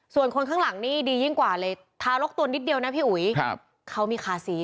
ส่วนคนข้างหลังดีกว่าถ้าลอบตัวนิดเดียวพี่อุ๋ยเขามีคาร์ซีส